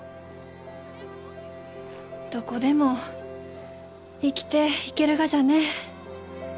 どこでも生きていけるがじゃね。